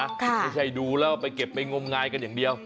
ไม่ใช่ดูแล้วไปเก็บไปงมงายกันอย่างเดียว